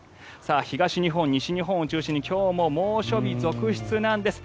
東日本、西日本を中心に今日も猛暑日続出なんです。